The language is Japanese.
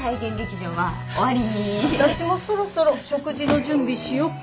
私もそろそろ食事の準備しよっかな。